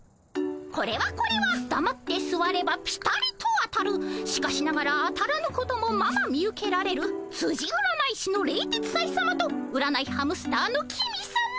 これはこれはだまってすわればピタリと当たるしかしながら当たらぬこともまま見受けられるつじ占い師の冷徹斎さまと占いハムスターの公さま。